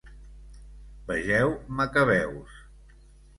Vegeu Macabeus.